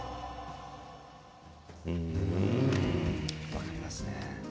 分かりますね。